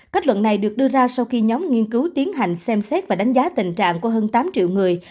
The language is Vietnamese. kết luận này được đưa ra sau khi nhóm nghiên cứu tiến hành xem xét và đánh giá tình trạng của hơn tám triệu người